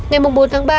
ngày bốn tháng ba